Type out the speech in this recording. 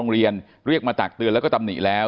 เรียกมาตักเตือนแล้วก็ตำหนิแล้ว